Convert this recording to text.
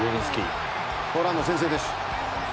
ポーランド、先制です。